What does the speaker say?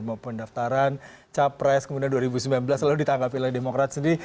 mau pendaftaran capres kemudian dua ribu sembilan belas lalu ditangkapi oleh demokrat sendiri